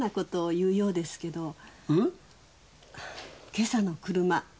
今朝の車。